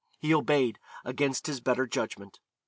He obeyed, against his better judgment.